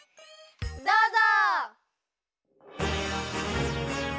どうぞ！